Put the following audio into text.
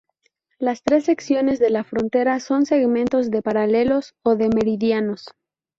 Las tres secciones de la frontera son segmentos de paralelos o de meridianos.